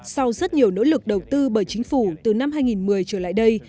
sau rất nhiều nỗ lực đầu tư bởi chính phủ từ năm hai nghìn một mươi trở lại đây